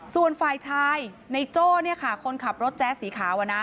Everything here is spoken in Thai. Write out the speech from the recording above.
ส่วนฝ่ายชายในโจ้เนี่ยค่ะคนขับรถแจ๊สสีขาว